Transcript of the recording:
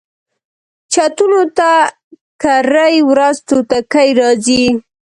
چتونو ته کرۍ ورځ توتکۍ راځي